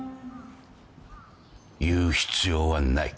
言う必要はない。